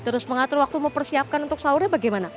terus mengatur waktu mau persiapkan untuk sahurnya bagaimana